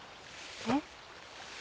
えっ？